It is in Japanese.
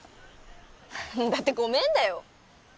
だって「ごめん」だよ？